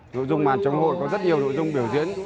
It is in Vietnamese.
nội dung màn chống hội có rất nhiều nội dung biểu diễn